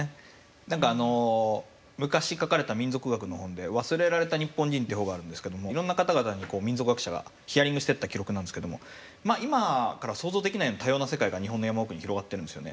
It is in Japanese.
何か昔書かれた民俗学の本で「忘れられた日本人」という本があるんですけどもいろんな方々に民俗学者がヒアリングしていった記録なんですけども今からは想像できないような多様な世界が日本の山奥に広がってるんですよね。